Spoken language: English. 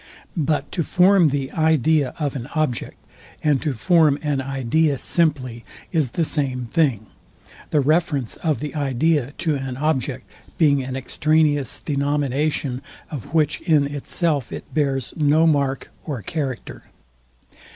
But to form the idea of an object, and to form an idea simply, is the same thing; the reference of the idea to an object being an extraneous denomination, of which in itself it bears no mark or character.